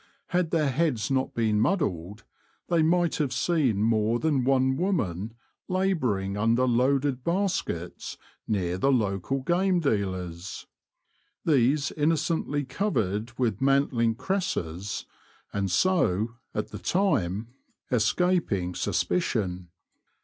Had their heads not been muddled they might have seen more than one woman labouring under loaded baskets near the local game dealers ; these innocently covered with mant ling cresses, and so, at the time, escaping The Confessions of a Poacher, 145 suspicion.